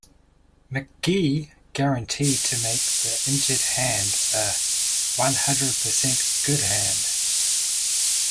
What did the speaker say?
McGee guaranteed to make the injured hand a "one hundred percent good hand".